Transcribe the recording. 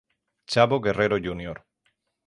Chavo Guerrero Jr.